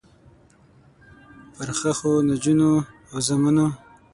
پرښخو، نجونو او زامنو